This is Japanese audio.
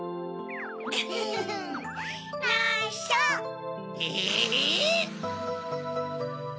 フフフないしょ！え！